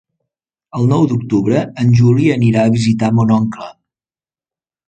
El nou d'octubre en Juli anirà a visitar mon oncle.